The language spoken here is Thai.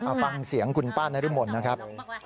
เอาฟังเสียงคุณป้านรุมลนะครับ